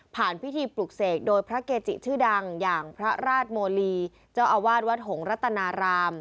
พิธีปลุกเสกโดยพระเกจิชื่อดังอย่างพระราชโมลีเจ้าอาวาสวัดหงรัตนาราม